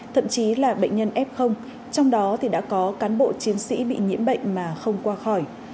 thậm chí là bệnh nhân f trong đó thì đã có cán bộ chiến sĩ bị nhiễm bệnh mà không qua khỏi